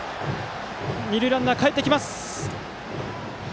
二塁ランナーかえってきます。